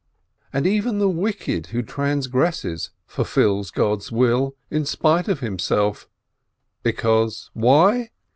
And even the wicked who transgresses fulfils God's will in spite of himself, because why?